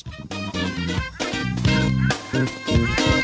สวัสดีค่ะ